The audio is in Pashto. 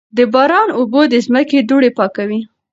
د باران اوبه د ځمکې دوړې پاکوي.